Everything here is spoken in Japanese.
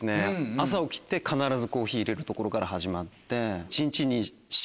朝起きて必ずコーヒー入れるところから始まって。